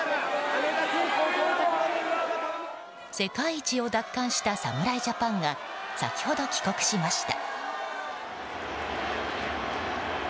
世界一を奪還した侍ジャパンが先ほど帰国しました。